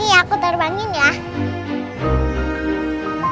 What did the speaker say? nih aku terbangin ya